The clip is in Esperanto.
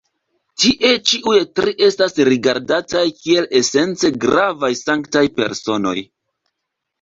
Tie ĉiuj tri estas rigardataj kiel esence gravaj sanktaj personoj.